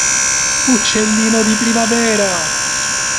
Uccellino di primavera!